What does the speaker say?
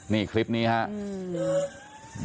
นี่คลิปนี้ครับ